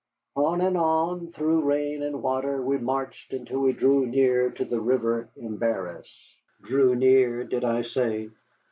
On and on, through rain and water, we marched until we drew near to the river Embarrass. Drew near, did I say?